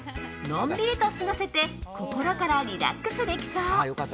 のんびりと過ごせて心からリラックスできそう。